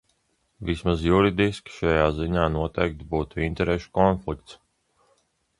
Vismaz juridiski šajā ziņā noteikti būtu interešu konflikts.